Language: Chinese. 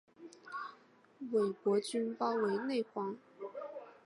魏博军包围内黄。